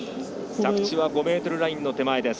着地は５ｍラインの手前。